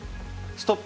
ストップ！